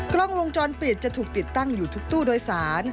กล้องวงจรปิดจะถูกติดตั้งอยู่ทุกตู้โดยสาร